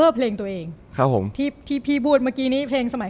เพลงตัวเองครับผมที่ที่พี่พูดเมื่อกี้นี้เพลงสมัย